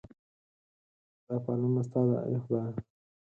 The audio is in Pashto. دا پالنه ستا ده ای خدایه.